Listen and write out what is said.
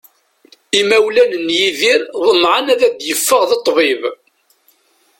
Imawlan n Yidir ḍemεen ad d-iffeɣ d ṭṭbib.